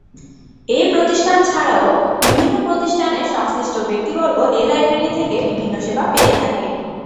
এ প্রতিষ্ঠান ছাড়াও বিভিন্ন প্রতিষ্ঠানের সংশ্লিষ্ট ব্যক্তিবর্গ এ লাইব্রেরি থেকে বিভিন্ন সেবা পেয়ে থাকে।